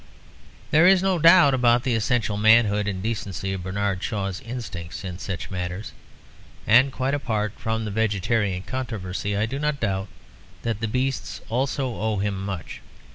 There is no doubt about the essential manhood and decency of Bernard Shaw's instincts in such matters. And quite apart from the vegetarian controversy, I do not doubt that the beasts also owe him much.